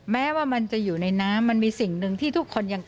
แม้ว่ามันจะอยู่ในน้ำมันมีสิ่งหนึ่งที่ทุกคนยัง